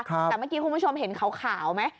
แต่เมื่อกี้คุณผู้ชมเห็นขาวไหม